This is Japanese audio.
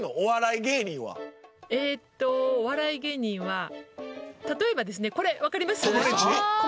「えっとお笑い芸人は例えばですねこれ分かります？」。